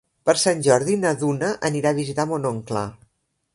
Per Sant Jordi na Duna anirà a visitar mon oncle.